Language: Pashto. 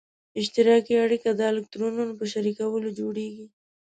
اشتراکي اړیکه د الکترونونو په شریکولو جوړیږي.